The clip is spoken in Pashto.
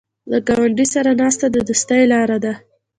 د ګاونډي سره ناسته د دوستۍ لاره ده